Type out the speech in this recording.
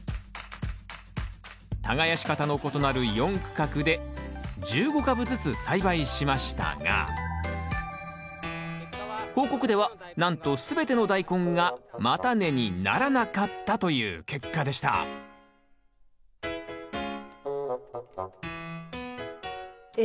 耕し方の異なる４区画で１５株ずつ栽培しましたが報告ではなんとすべてのダイコンが叉根にならなかったという結果でしたえ